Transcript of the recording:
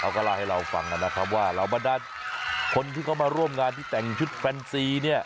เขาก็เล่าให้เราฟังกันนะครับว่าเหล่าบรรดาคนที่เขามาร่วมงานที่แต่งชุดแฟนซีเนี่ย